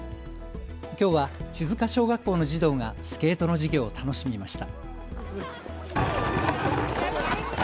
きょうは千塚小学校の児童がスケートの授業を楽しみました。